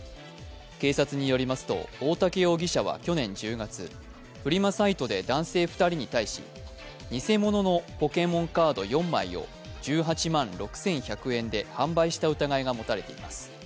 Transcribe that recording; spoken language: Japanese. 警察によりますと大竹容疑者は去年１０月フリマサイトで男性２人に対し偽物のポケモンカード４枚を１８万６１００円で販売した疑いが持たれています。